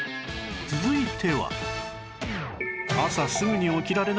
続いては